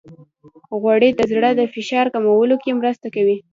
غوړې د زړه د فشار کمولو کې مرسته کوي.